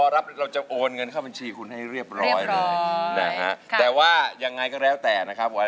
ค่ะเพราะว่าเราให้เหรียญบาทรวดเลยนะครับ